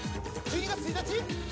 １２月１日？